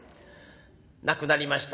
亡くなりました